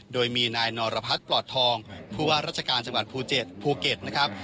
โดยมีนายนรพัฒน์ปลอดทองผู้ว่าราชการจังหวัดภูเก็ตนะครับ